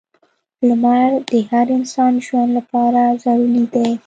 • لمر د هر انسان ژوند لپاره ضروری دی.